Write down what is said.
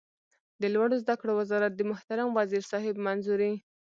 د لوړو زده کړو وزارت د محترم وزیر صاحب منظوري